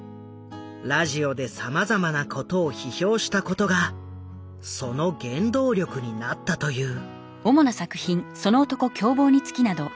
ラジオでさまざまなことを批評したことがその原動力になったという。